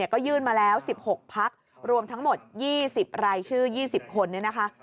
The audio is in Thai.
ก็ยื่นมาแล้ว๑๖พักรวมทั้งหมด๒๐รายชื่อ๒๐คน